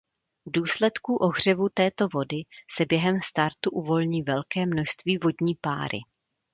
V důsledku ohřevu této vody se během startu uvolní velké množství vodní páry.